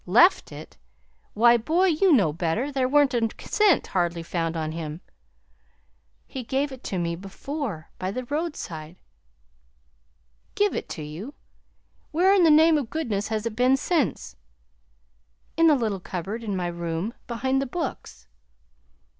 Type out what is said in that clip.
"Left it! Why, boy, you know better! There wa'n't a cent hardly found on him." "He gave it to me before by the roadside." "Gave it to you! Where in the name of goodness has it been since?" "In the little cupboard in my room, behind the books."